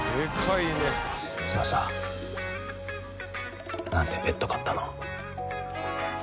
じゃあさ何でベッド買ったの？